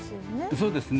そうですね。